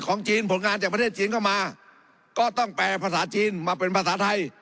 จีนผลงานจากประเทศจีนเข้ามาก็ต้องแปลภาษาจีนมาเป็นภาษาไทย